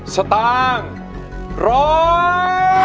สตางค์ร้อง